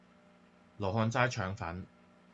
羅漢齋腸粉